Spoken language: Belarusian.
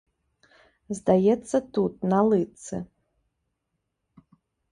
Здаецца, тут, на лытцы.